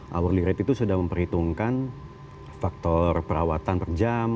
hourly rate itu sudah memperhitungkan faktor perawatan per jam